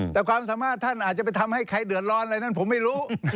แต่ความสามารถท่านอาจจะไปทำให้ใครเดือดร้อนอะไรนั้นผมไม่รู้